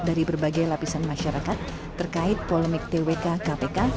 dari berbagai lapisan masyarakat terkait polemik twk kpk